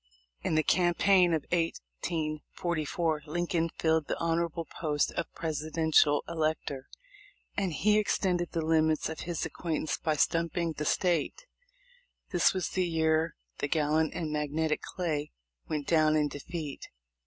In the campaign of lSLt Lincoln filled the hon orable post of Presidential Elector, and he extended the limits of his acquaintance by stumping the State. This was the year the gallant and magnetic Clay went down in defeat.